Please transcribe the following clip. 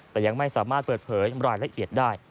แต่ยังไม่สามารถเปิดเผยรายละเอียดได้